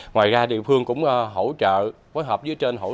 ngoài ra địa phương cũng hỗ trợ cho bà con để bà con có thu nhập thêm trong sản xuất